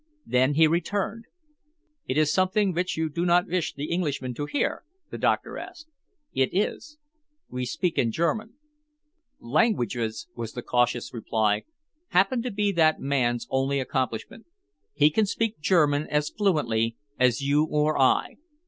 Then he returned. "It is something which you do not wish the Englishman to hear?" the doctor asked. "It is." "We speak in German." "Languages," was the cautious reply, "happen to be that man's only accomplishment. He can speak German as fluently as you or I.